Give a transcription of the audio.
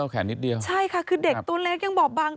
แขนนิดเดียวใช่ค่ะคือเด็กตัวเล็กยังบอบบาง